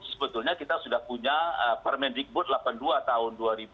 sebetulnya kita sudah punya permendikbud delapan puluh dua tahun dua ribu dua puluh